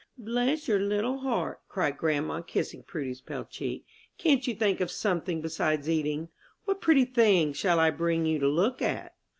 "Bless your little heart," cried grandma, kissing Prudy's pale cheek. "Can't you think of something besides eating? What pretty thing shall I bring you to look at?"